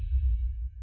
apa yang vakit tuh ryou